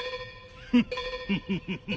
フッフフフ。